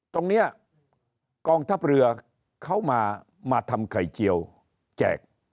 ตรงเนี่ยกองทัพเรือเข้ามามาทำไข่เจียวแจก